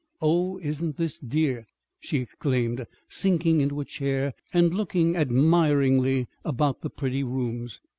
"Oh, isn't this dear!" she exclaimed, sinking into a chair, and looking admiringly about the pretty rooms.